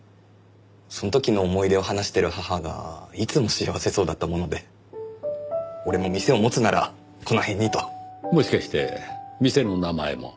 その時の思い出を話してる母がいつも幸せそうだったもので俺も店を持つならこの辺にと。もしかして店の名前も？